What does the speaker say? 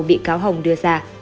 bị cáo hồng đưa ra